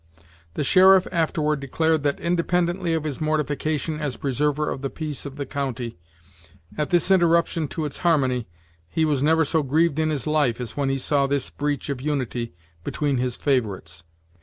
The sheriff afterward declared that, independently of his mortification as preserver of the peace of the county, at this interruption to its harmony, he was never so grieved in his life as when he saw this breach of unity between his favorites.